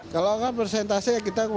kalau nggak persentase ini itu sudah berarti